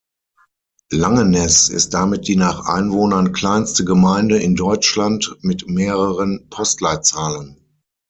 Langeneß ist damit die nach Einwohnern kleinste Gemeinde in Deutschland mit mehreren Postleitzahlen.